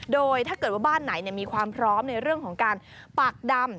โดยถ้าเกิดว่าบ้านไหนมีความพร้อมในเรื่องของการปากดำ